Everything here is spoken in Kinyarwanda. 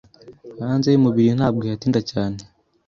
hanze y'umubiri ntabwo ihatinda cyane